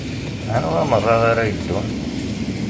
Anwa meṛṛa ara yeddun?